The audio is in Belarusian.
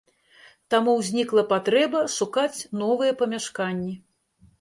Таму ўзнікла патрэба шукаць новыя памяшканні.